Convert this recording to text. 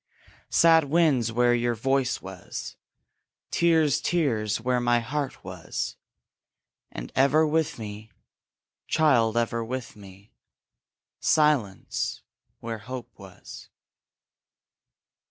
Sad winds where your voice was; Tears, tears where my heart was; And ever with me, Child, ever with me, Silence where hope was.